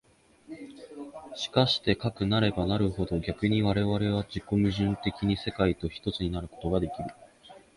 しかしてかくなればなるほど、逆に我々は自己矛盾的に世界と一つになるということができる。